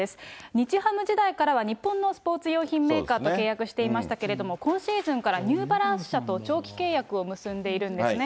日ハム時代からは日本のスポーツ用品メーカーと契約していましたけれども、今シーズンからニューバランス社と長期契約を結んでいるんですね。